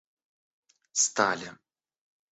стали